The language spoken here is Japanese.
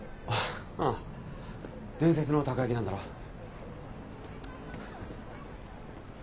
ああ伝説のたこやきなんだろ？